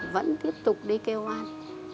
vẫn tiếp tục đi kêu an